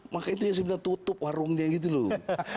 makanya itu sebenarnya tutup warungnya gitu loh